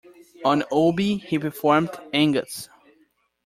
On "Oobi", he performed Angus.